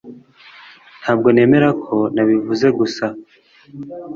ntabwo nemera ko nabivuze gusa